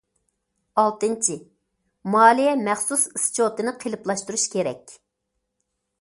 ئالتىنچى، مالىيە مەخسۇس ئىسچوتىنى قېلىپلاشتۇرۇش كېرەك.